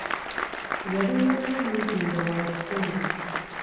Yali muwala mumpi nga wa kitema.